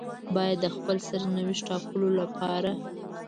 بايد د خپل سرنوشت ټاکلو لپاره.